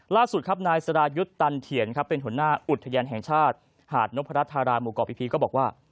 ล่าสุดครับนายสรายุทธ์ตันเถียนครับเป็นหัวหน้าอุทยานแห่งชาติหาดนพรัชธาราหมู่เกาะพีพีก็บอกว่า